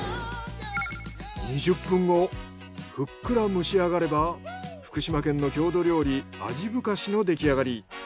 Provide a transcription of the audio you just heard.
２０分後ふっくら蒸しあがれば福島県の郷土料理味ぶかしの出来上がり。